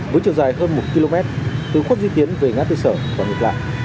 với chiều dài hơn một km từ khuất di tiến về ngã tư sở và ngược lại